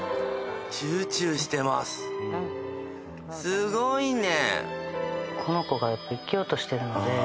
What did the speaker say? すごいね。